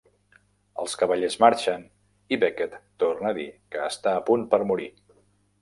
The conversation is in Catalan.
Els cavallers marxen i Becket torna a dir que està a punt per morir.